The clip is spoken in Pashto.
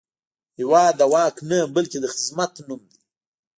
هېواد د واک نه، بلکې د خدمت نوم دی.